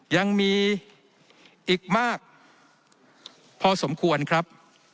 ยังมีอีกมากพอสมควรครับ